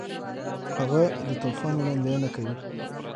هغه د طوفان وړاندوینه کوي.